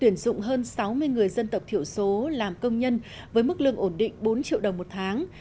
tuyển dụng hơn sáu mươi người dân tộc thiểu số làm công nhân với mức lương ổn định bốn triệu đồng một tháng